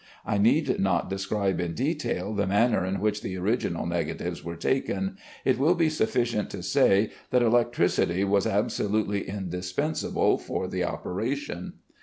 I need not describe in detail the manner in which the original negatives were taken. It will be sufficient to say that electricity was absolutely indispensable for the operation.